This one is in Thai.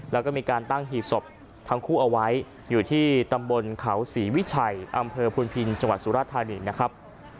แล้วก็มีการตั้งหีบศพทั้งคู่เอาไว้อยู่ที่ตำบลเขาศรีวิชัยอำเภอพุนพินจังหวัดสุราธานีนะครับ